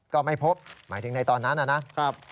ก็ไม่พบหมายถึงในตอนนั้นนะครับ